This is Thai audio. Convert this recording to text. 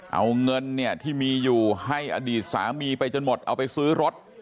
เอาเงินเนี่ยที่มีอยู่ให้อดีตสามีไปจนหมดเอาไปซื้อรถ